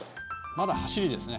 「まだ走りですね」